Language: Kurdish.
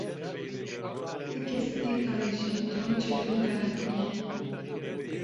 Ti kes vî karî ji Tomî çêtir nikare bike.